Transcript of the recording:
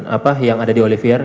apa yang ada di olivier